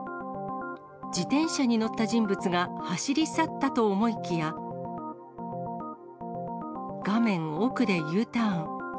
自転車に乗った人物が走り去ったと思いきや、画面奥でＵターン。